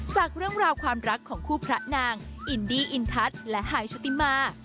จากเรื่องราวความรักของคู่พระนางอินดี้อินทัศน์และหายชุติมา